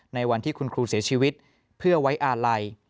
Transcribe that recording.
ในวันที่คุณครูเสียชีวิตเพื่อไว้อาลัย